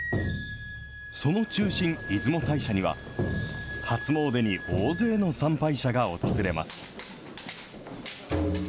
その中心、出雲大社には、初詣に大勢の参拝者が訪れます。